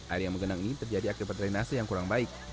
air yang menggenangi terjadi akibat drainase yang kurang baik